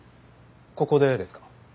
ここでですか？